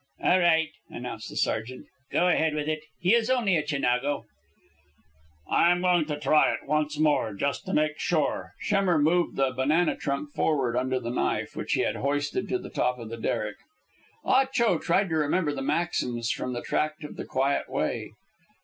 "All right," announced the sergeant. "Go ahead with it. He is only a Chinago." "I'm going to try it once more, just to make sure." Schemmer moved the banana trunk forward under the knife, which he had hoisted to the top of the derrick. Ah Cho tried to remember maxims from "The Tract of the Quiet Way."